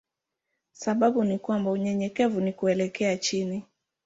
Sababu ni kwamba unyenyekevu ni kuelekea chini.